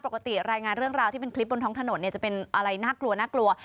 ปกติรายงานเรื่องราวที่เป็นคลิปบนท้องถนนจะเป็นอะไรน่ากลัว